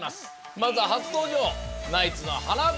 まずは初登場ナイツの塙君。